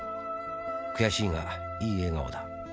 悔しいがいい笑顔だ」